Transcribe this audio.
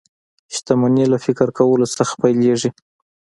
شتمني له فکر کولو څخه پيلېږي